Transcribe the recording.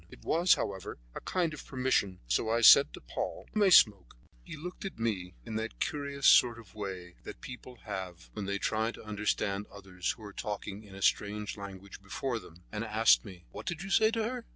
It was, however, a kind of permission, so I said to Paul: "You may smoke." He looked at me in that curious sort of way that people have when they try to understand others who are talking in a strange language before them, and asked me: "What did you say to her?"